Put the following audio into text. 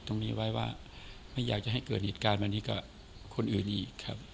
ตรงนี้ไว้ว่าไม่อยากจะให้เกิดเหตุการณ์แบบนี้กับคนอื่นอีกครับ